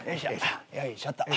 よいしょっと。